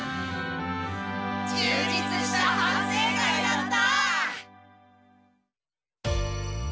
充実した反省会だった！